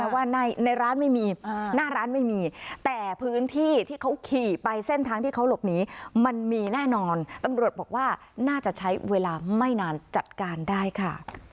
ว่าในร้านไม่มีหน้าร้านไม่มีแต่พื้นที่ที่เขาขี่ไปเส้นทางที่เขาหลบหนีมันมีแน่นอนตำรวจบอกว่าน่าจะใช้เวลาไม่นานจัดการได้ค่ะ